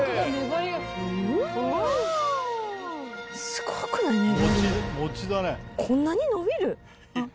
すごくない？粘り。